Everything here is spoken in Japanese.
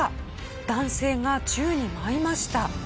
男性が宙に舞いました。